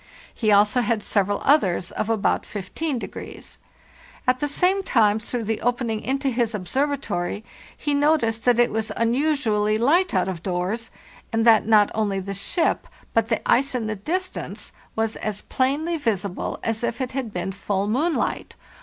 He also had several others of about 15. At the same time, through the opening into his observatory he noticed that it was unusually light out of doors, and that not only the ship, but the ice in the distance, was as plainly visible as if it had been full moonlight.